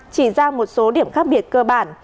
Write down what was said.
chỉ ra một số điểm khác biệt cơ bản